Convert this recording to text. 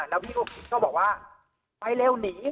แล้วพี่ก็บอกว่าไฟเร็วหนี